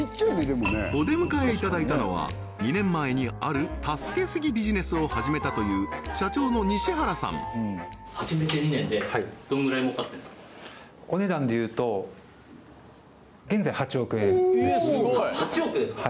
お出迎えいただいたのは２年前にある助けすぎビジネスを始めたという社長の西原さんお値段で言うと現在８億円です８億ですか？